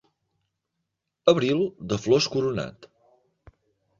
Abril, de flors coronat